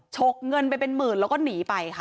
ฉกเงินไปเป็นหมื่นแล้วก็หนีไปค่ะ